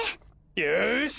よし！